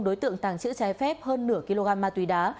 đối tượng tàng trữ trái phép hơn nửa kg ma túy đá